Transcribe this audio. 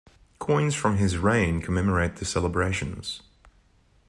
Coins from his reign commemorate the celebrations.